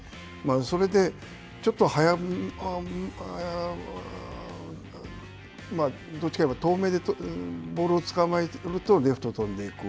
それで、ちょっとどっちかといえば、遠めでボールを捉えると、レフトへ飛んでいく。